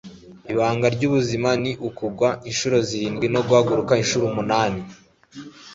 ibanga ry'ubuzima, ni ukugwa inshuro zirindwi no guhaguruka inshuro umunani